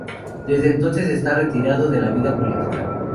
Desde entonces está retirado de la vida política.